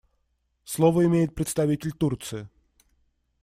Слово имеет представитель Турции.